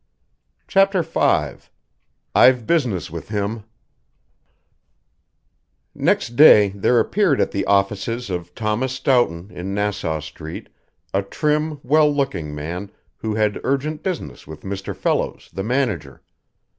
CHAPTER V "I've business with him" Next day there appeared at the offices of Thomas Stoughton, in Nassau Street, a trim, well looking man, who had urgent business with Mr. Fellows, the manager.